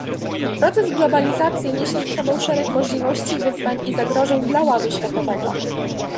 Proces globalizacji niesie ze sobą szereg możliwości, wyzwań i zagrożeń dla ładu światowego